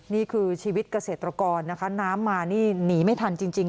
นี่คือชีวิตเกษตรกรนะคะน้ำมานี่หนีไม่ทันจริง